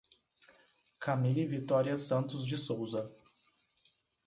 Camille Vitoria Santos de Sousa